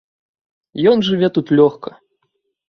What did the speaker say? Ён жыве тут лёгка.